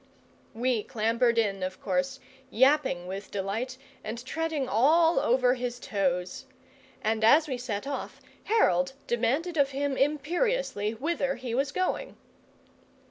We clambered in, of course, yapping with delight and treading all over his toes; and as we set off, Harold demanded of him imperiously whither he was going.